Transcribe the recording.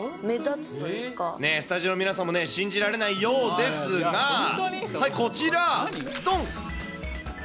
ねえ、スタジオの皆さんもね、信じられないようですが、こちら、どん。